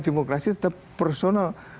demokrasi tetap personal